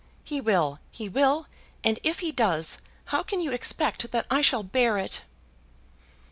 "He will; he will; and if he does, how can you expect that I shall bear it?"